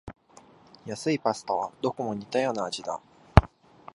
安いパスタはどこも似たような味だ